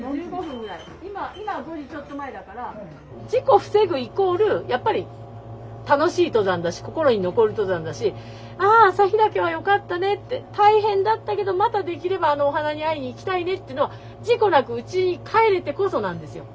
事故防ぐイコールやっぱり楽しい登山だし心に残る登山だしあ朝日岳は良かったねって大変だったけどまたできればあのお花に会いに行きたいねっていうのは事故なくうちに帰れてこそなんですよ。